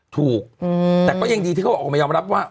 ถูกแต่ก็ยังดีที่เขาออกมายอมรับว่า